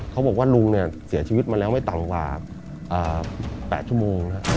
เขาบอกว่าลุงเนี่ยเสียชีวิตมาแล้วไม่ต่ำกว่า๘ชั่วโมง